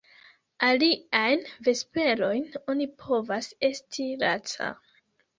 Aliajn vesperojn oni povas esti laca.